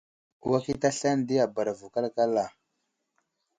Wakita aslane di a bara vo kalkala.